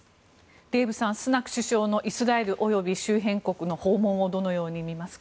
デーブさんスナク首相のイスラエル及び周辺国への訪問をどのように見ますか？